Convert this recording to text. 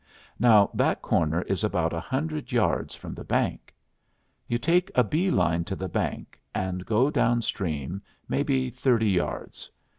Now that corner is about a hundred yards from the bank. You take a bee line to the bank and go down stream, maybe thirty yards.